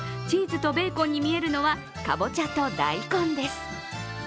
チーズとベーコンに見えるのは、かぼちゃと大根です。